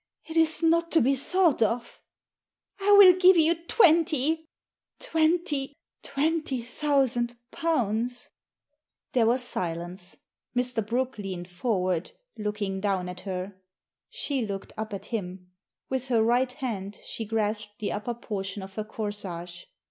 " It is not to be thought of." •* I will give you twenty !"" Twenty — twenty thousand pounds !" There was silence. Mr. Brooke leaned forward, looking down at her. She looked up at him. With her right hand she grasped the upper portion of her corsage.